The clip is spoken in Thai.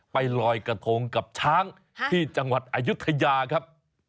ไปลอยกระทงกับช้างที่จังหวัดอายุทยาครับ